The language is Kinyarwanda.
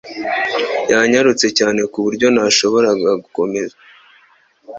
Yanyarutse cyane ku buryo ntashobora gukomeza